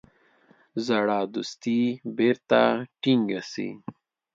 زړه دوستي بیرته ټینګه سي.